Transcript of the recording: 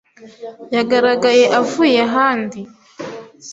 yagaragaye avuye ahandi.